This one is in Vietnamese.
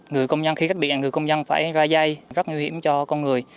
người công nhân khi cách điện người công nhân phải ra dây rất nguy hiểm cho con người